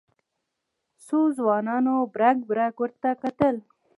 څو ځوانانو برګ برګ ورته کتل.